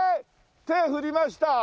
手振りました。